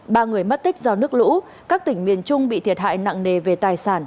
ba người mất tích do nước lũ các tỉnh miền trung bị thiệt hại nặng nề về tài sản